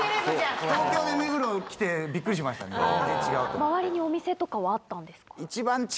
周りにお店とかはあったんですか？